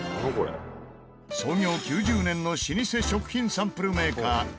創業９０年の老舗食品サンプルメーカーいわさきの。